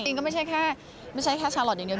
จริงก็ไม่ใช่แค่ชาลอทอย่างเดียว